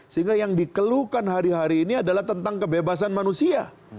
sehingga yang dikeluhkan hari hari ini adalah tentang kebebasan manusia